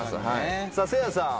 さあせいやさん。